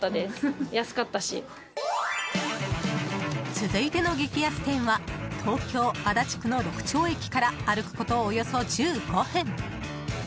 続いての激安店は東京・足立区の六町駅から歩くことおよそ１５分